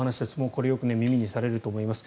これ、よく耳にされると思います。